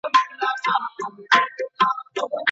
ولي بریا د ارامو خلګو پر ځای زیارکښانو ته ورځي؟